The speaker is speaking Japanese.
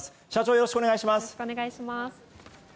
よろしくお願いします。